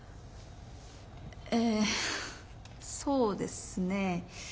ええそうですね。